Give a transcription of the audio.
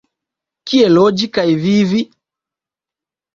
Kie loĝi kaj vivi?